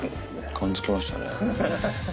感づきましたね。